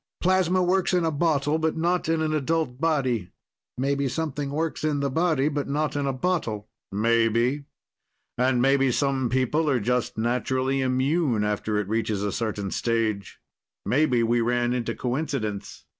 Plasma works in a bottle but not in an adult body. Maybe something works in the body but not in a bottle." "Maybe. And maybe some people are just naturally immune after it reaches a certain stage. Maybe we ran into coincidence."